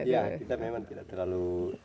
ya kita memang tidak terlalu